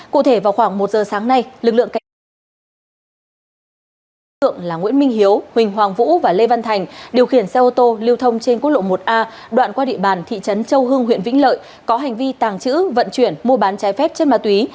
cụ thể vào khoảng một giờ sáng nay lực lượng cảnh sát đối tượng là nguyễn minh hiếu huỳnh hoàng vũ và lê văn thành điều khiển xe ô tô lưu thông trên quốc lộ một a đoạn qua địa bàn thị trấn châu hưng huyện vĩnh lợi có hành vi tàng trữ vận chuyển mua bán trái phép chất ma túy